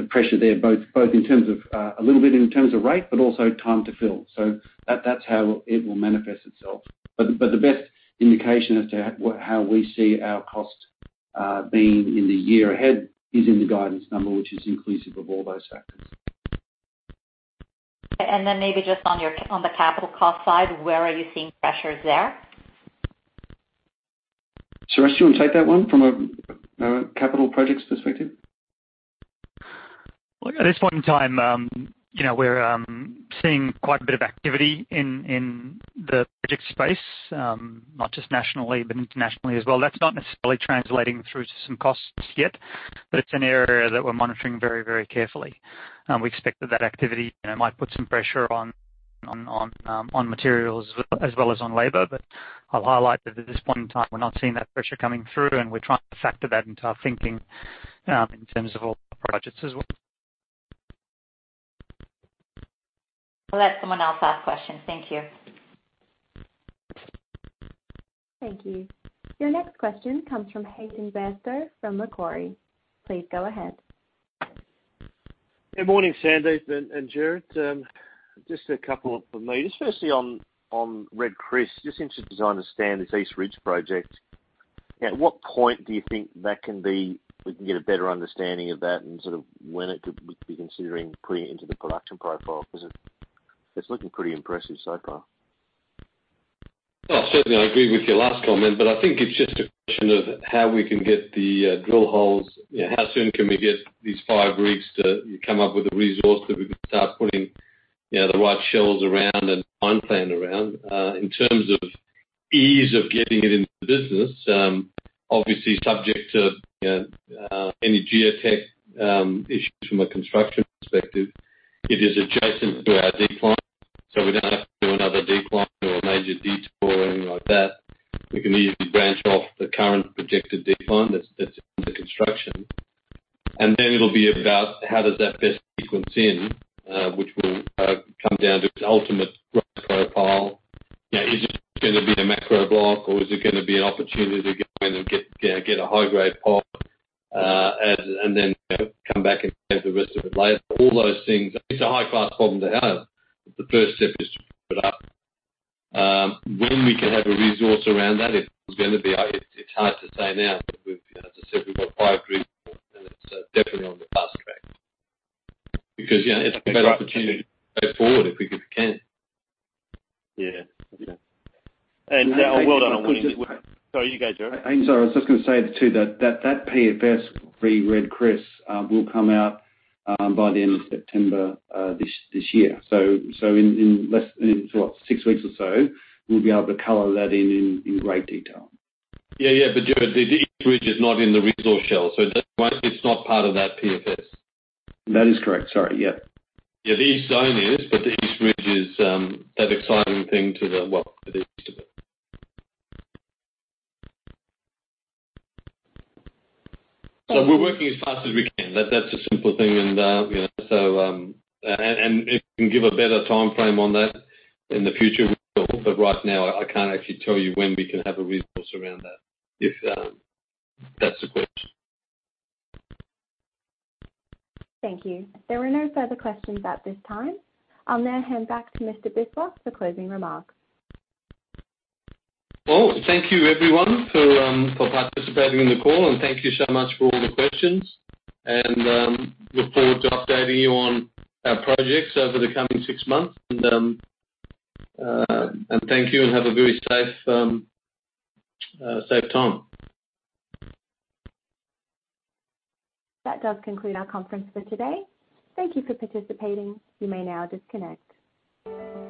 pressure there, both a little bit in terms of rate, but also time to fill. That's how it will manifest itself. The best indication as to how we see our cost being in the year ahead is in the guidance number, which is inclusive of all those factors. Okay. Maybe just on the capital cost side, where are you seeing pressures there? Suresh, do you want to take that one from a capital projects perspective? Look, at this point in time, we're seeing quite a bit of activity in the project space, not just nationally, but internationally as well. That's not necessarily translating through to some costs yet, but it's an area that we're monitoring very carefully. We expect that that activity might put some pressure on materials as well as on labor. I'll highlight that at this point in time, we're not seeing that pressure coming through, and we're trying to factor that into our thinking in terms of all projects as well. We'll let someone else ask questions. Thank you. Thank you. Your next question comes from Hayden Baxter from Macquarie. Please go ahead. Good morning, Sandeep and Gerard. Just a couple from me. Just firstly on Red Chris, just interested to understand this East Ridge Project. At what point do you think we can get a better understanding of that and sort of when it could be considering putting it into the production profile? Because it's looking pretty impressive so far. Certainly, I agree with your last comment, it's just a question of how we can get the drill holes, how soon can we get these 5 rigs to come up with a resource that we can start putting the right shells around and mine plan around. In terms of ease of getting it into business, obviously subject to any geotech issues from a construction perspective, it is adjacent to our decline, we don't have to do another decline or a major detour or anything like that. We can easily branch off the current projected decline that's under construction. It'll be about how does that best sequence in, which will come down to ultimate risk profile. Is it going to be a block caving, or is it going to be an opportunity to go in and get a high-grade pop, and then come back and take the rest of it later? All those things. It's a high-class problem to have, but the first step is to put it up. When we can have a resource around that, it's hard to say now. As I said, we've got five rigs, and it's definitely on the fast track. Because it's a better opportunity to go forward if we can. Yeah. Well done on winning. Well, Gerard. Sorry, you go, Gerard. I'm sorry. I was just going to say too that that PFS for Red Chris will come out by the end of September this year. In six weeks or so, we'll be able to color that in in great detail. Yeah. Gerard, the East Ridge is not in the resource shell. It's not part of that PFS. That is correct. Sorry, yeah. Yeah, the East Zone is, but the East Ridge is that exciting thing to the east of it. We're working as fast as we can. That's the simple thing. If we can give a better timeframe on that in the future, we will. Right now, I can't actually tell you when we can have a resource around that, if that's the question. Thank you. There were no further questions at this time. I will now hand back to Mr. Biswas for closing remarks. Thank you everyone for participating in the call, thank you so much for all the questions. Look forward to updating you on our projects over the coming 6 months. Thank you, and have a very safe time. That does conclude our conference for today. Thank you for participating. You may now disconnect.